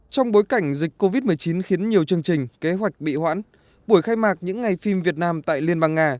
trong bối cảnh dịch covid một mươi chín khiến nhiều chương trình kế hoạch bị hoãn buổi khai mạc những ngày phim việt nam tại liên bang nga